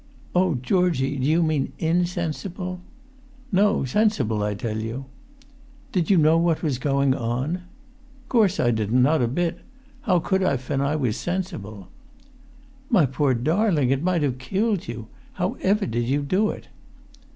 "Oh, Georgie, do you mean insensible?" "No, sensible, I tell you." "Did you know what was going on?" "Course I di'n't, not a bit. How could I fen I was sensible?" "My poor darling, it might have killed you! How ever did you do it?"